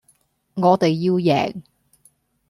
我哋要贏